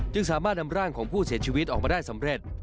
สามารถนำร่างของผู้เสียชีวิตออกมาได้สำเร็จ